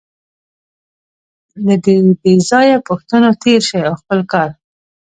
له دې بېځایه پوښتنو تېر شئ او خپل کار.